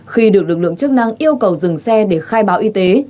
khi được lực lượng chức năng yêu cầu dừng xe để khai báo y tế